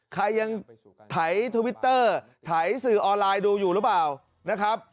ใครยังไถทวิตเตอร์ไถสื่อออนไลน์ดูอยู่หรือเปล่า